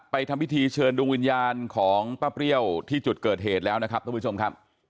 ทำพิธีเชิญดวงวิญญาณของป้าเปรี้ยวที่จุดเกิดเหตุแล้วนะครับท่านผู้ชมครับ